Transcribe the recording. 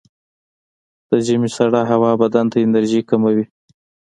د ژمي سړه هوا بدن ته انرژي کموي.